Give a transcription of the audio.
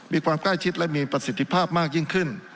มีความใกล้ชิดและมีประสิทธิภาพมากยิ่งขึ้น